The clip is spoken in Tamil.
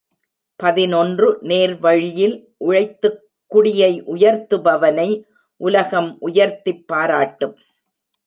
பதினொன்று நேர்வழியில் உழைத்துக்குடியை உயர்த்துபவனை உலகம் உயர்த்திப் பாராட்டும்.